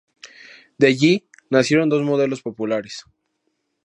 De allí nacieron dos modelos populares.